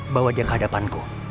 bawa dia ke hadapanku